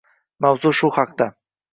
Mavzu shu haqda.